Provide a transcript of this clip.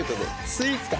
スイーツか。